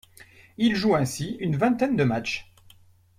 Il joue ainsi une vingtaine de matchs.